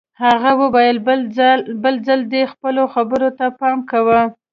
هغه وویل بل ځل دې خپلو خبرو ته پام کوه